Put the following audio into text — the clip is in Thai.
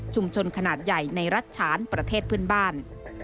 ชุมชนขนาดใหญ่ในรัฐชาญประเทศพื้นบ้าน